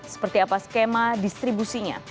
seperti apa skema distribusinya